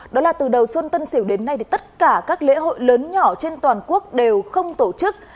đó là từ đầu xuân tân sửu đến nay thì tất cả các lễ hội lớn nhỏ trên toàn quốc đều không tổ chức